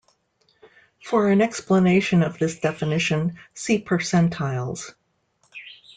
For an explanation of this definition, see percentiles.